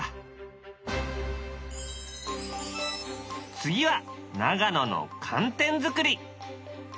次は長野の寒天作り。